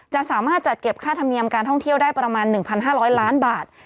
สามารถจัดเก็บค่าธรรมเนียมการท่องเที่ยวได้ประมาณ๑๕๐๐ล้านบาท